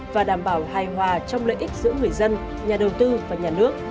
và đảm bảo hài hòa trong lợi ích giữa người dân nhà đầu tư và nhà nước